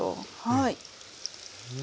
はい。